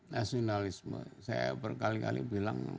nasionalisme saya berkali kali bilang